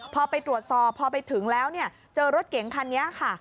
พอไปตรวจสอบพอไปถึงแล้วเนี่ยเจอรถเก๋งคันนี้ค่ะ